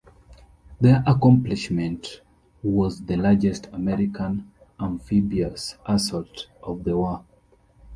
Their accomplishment was the largest American amphibious assault of the war.